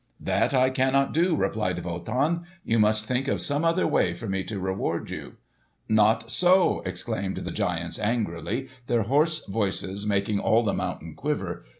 "That I cannot do," replied Wotan. "You must think of some other way for me to reward you." "Not so!" exclaimed the giants angrily, their hoarse voices making all the mountain quiver.